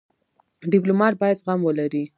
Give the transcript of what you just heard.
ډيپلومات باید زغم ولري.